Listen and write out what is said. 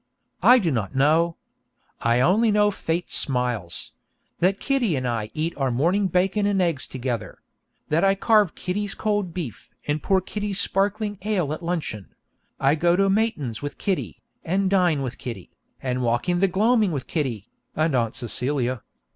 I do not know. I only know Fate smiles; that Kitty and I eat our morning bacon and eggs together; that I carve Kitty's cold beef and pour Kitty's sparkling ale at luncheon; that I go to matins with Kitty, and dine with Kitty, and walk in the gloaming with Kitty and Aunt Celia.